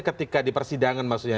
ketika di persidangan maksudnya